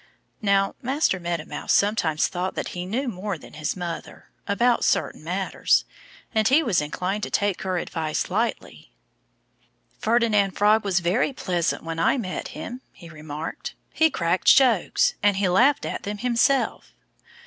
Now, Master Meadow Mouse sometimes thought that he knew more than his mother, about certain matters. And he was inclined to take her advice lightly. "Ferdinand Frog was very pleasant when I met him," he remarked. "He cracked jokes. And he laughed at them himself."